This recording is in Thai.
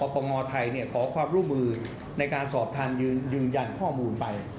ปมไทยขอความร่วมมือในการสอบทานยืนยันข้อมูลไป